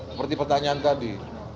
seperti pertanyaan tadi